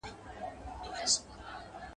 کږه ملا په قبر کي سمېږي.